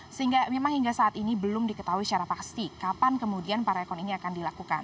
sehingga memang hingga saat ini belum diketahui secara pasti kapan kemudian para ekon ini akan dilakukan